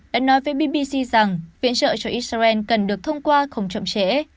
đã nói với bbc rằng viện trợ cho israel cần được thông qua không chậm trễ